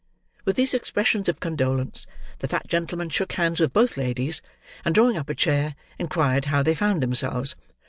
With these expressions of condolence, the fat gentleman shook hands with both ladies, and drawing up a chair, inquired how they found themselves.